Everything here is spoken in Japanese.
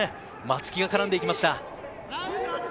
松木が絡んでいきました。